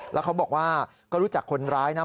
แล้วเขาบอกว่าก็รู้จักคนร้ายนะ